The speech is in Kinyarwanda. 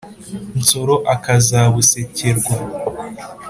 nsoro akazabusekerwa.